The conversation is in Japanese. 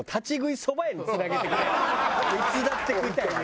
いつだって食いたいわ。